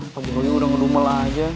pemburunya udah ngerumel aja